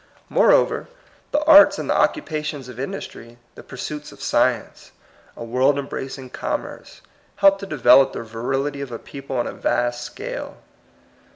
Moreover, the arts and the occupations of industry, the pursuits of science, a world embracing commerce, help to develop the virility of a people on a vast scale.